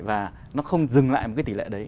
và nó không dừng lại một cái tỷ lệ đấy